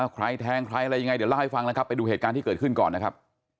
ใครแทงใครอะไรยังไงเดี๋ยวเล่าให้ฟังนะครับไปดูเหตุการณ์ที่เกิดขึ้นก่อนนะครับ